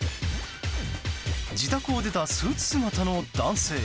自宅を出たスーツ姿の男性。